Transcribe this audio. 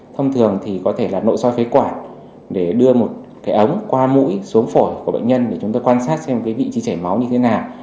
thông thường thì có thể là nội soi phế quản để đưa một cái ống qua mũi xuống phổi của bệnh nhân để chúng tôi quan sát xem cái vị trí chảy máu như thế nào